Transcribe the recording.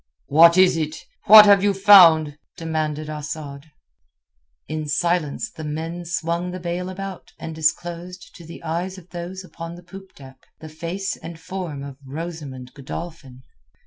"What is it? What have you found?" demanded Asad. In silence the men swung the bale about, and disclosed to the eyes of those upon the poop deck the face and form of Rosamund Godolphin.